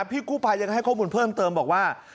พี่กู้ภัยยังให้ข้อมูลเพิ่มเติมบอกว่า